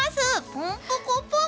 ポンポコポン！